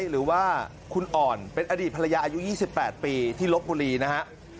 หรือว่าคุณอ่อนเป็นอดีตภรรยาอายุ๒๘ปีที่ลบบุรีนะฮะ